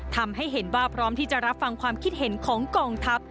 ทำให้เห็นว่าพร้อมที่จะรับฟังความคิดเห็นของกองทัพ